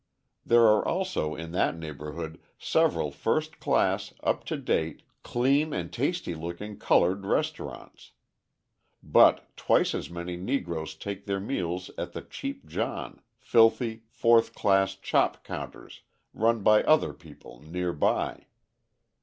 There are also in that neighbourhood several first class, up to date, clean and tasty looking coloured restaurants: but twice as many Negroes take their meals at the cheap John, filthy, fourth class chop counters run by other people near by.